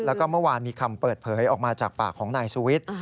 แล้วก็เมื่อวานมีคำเปิดเผยออกมาจากปากของนายสุวิทย์